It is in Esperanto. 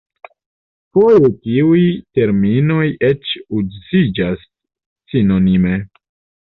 Foje tiuj terminoj eĉ uziĝas sinonime.